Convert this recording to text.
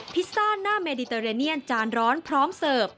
พิซซ่าหน้าเมดิเตอร์เรเนียนจานร้อนพร้อมเสิร์ฟ